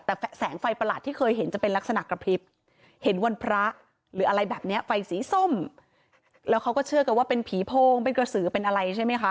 แต่แสงไฟประหลาดที่เคยเห็นจะเป็นลักษณะกระพริบเห็นวันพระหรืออะไรแบบนี้ไฟสีส้มแล้วเขาก็เชื่อกันว่าเป็นผีโพงเป็นกระสือเป็นอะไรใช่ไหมคะ